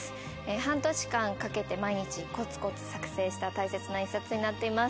半年間かけて毎日コツコツ作成した大切な１冊になっています